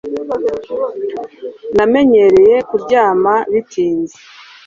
Namenyereye kuryama bitinze